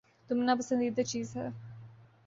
تم ناپندیدہ چیز ہے